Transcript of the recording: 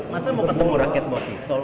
masa mau ketemu rakyat buat pistol